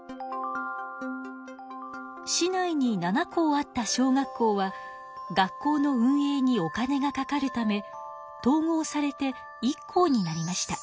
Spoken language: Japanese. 市内に７校あった小学校は学校の運営にお金がかかるため統合されて１校になりました。